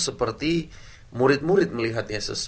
seperti murid murid melihat yesus